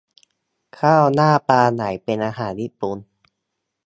ข้าวหน้าปลาไหลเป็นอาหารญี่ปุ่น